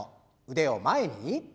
腕を前に。